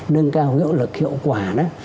nâng cao hiệu lực hiệu quả đó